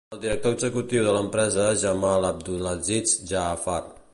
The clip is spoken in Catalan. El director executiu de l'empresa és Jamal Abdulaziz Jaafar.